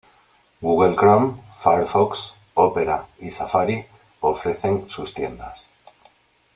Google Chrome, Firefox, Opera y Safari ofrecen sus tiendas.